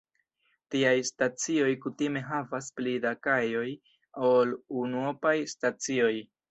Tiaj stacioj kutime havas pli da kajoj ol unuopaj stacioj.